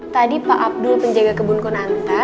tadi pak abdul penjaga kebun konanta